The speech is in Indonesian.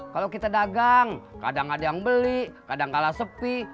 kalau kita dagang kadang ada yang beli kadangkala sepi